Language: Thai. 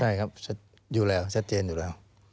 ใช่ครับอยู่แล้วชัดเจนอยู่แล้ว